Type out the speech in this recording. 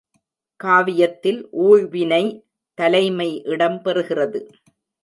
காவியத்தில் ஊழ்வினை தலைமை இடம் பெறுகிறது.